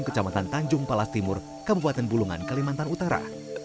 kecamatan tanjung palas timur kabupaten bulungan kalimantan utara